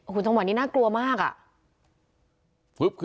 คุณจังหวัดนี้น่ากลัวมาก